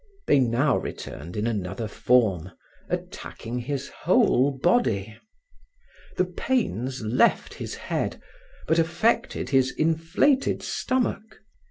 They now returned in another form, attacking his whole body. The pains left his head, but affected his inflated stomach.